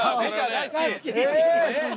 大好き。